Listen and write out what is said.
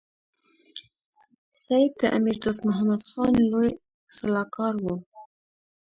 سید د امیر دوست محمد خان لوی سلاکار وو.